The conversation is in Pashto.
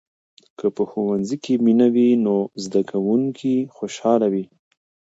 که په ښوونځي کې مینه وي، نو زده کوونکي خوشحال وي.